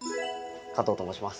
加藤と申します。